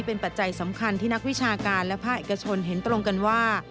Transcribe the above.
เป็นปัจจัยสำคัญที่นักวิชาการและภาคเอกชนเห็นตรงกันว่า